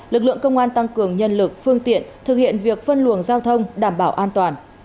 lực lượng công an tăng cường nhân lực phương tiện thực hiện việc phân luồng giao thông đảm bảo an toàn